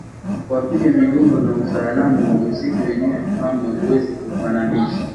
Kwa vile midundo na utaalamu wa muziki wenyewe kamwe huwezi kuufananisha